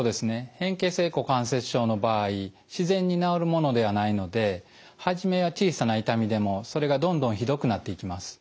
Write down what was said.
変形性股関節症の場合自然に治るものではないので初めは小さな痛みでもそれがどんどんひどくなっていきます。